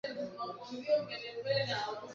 Nina dakika chache tu